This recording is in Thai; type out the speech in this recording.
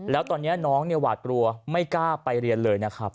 แล้วตอนนี้น้องเนี่ยหวาดกลัวไม่กล้าไปเรียนเลยนะครับ